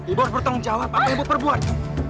ibu bertanggung jawab pakai ibu perbuat